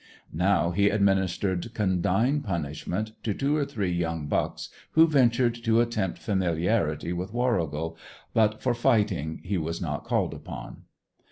Now, he administered condign punishment to two or three young bucks who ventured to attempt familiarity with Warrigal, but for fighting he was not called upon.